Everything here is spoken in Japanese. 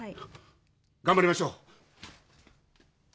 頑張りましょう！